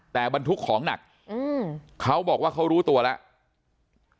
แต่บรรทุกของหนักเขาบอกว่าเขารู้ตัวแล้ว